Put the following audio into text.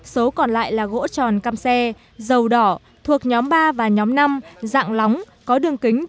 số còn lại là gỗ tròn cam xe dầu đỏ thuộc nhóm ba và nhóm năm dạng lóng có đường kính từ bốn mươi đến bảy mươi cm